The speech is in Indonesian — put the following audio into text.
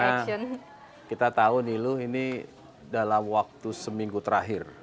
karena kita tau niluh ini dalam waktu seminggu terakhir